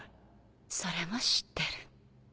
それも知ってる。